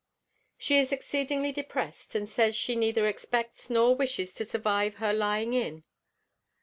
She is exceedingly depressed, and says she neither expects nor wishes to survive her lying in.